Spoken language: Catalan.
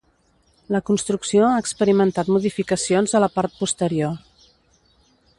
La construcció ha experimentat modificacions a la part posterior.